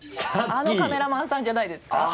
あのカメラマンさんじゃないですか？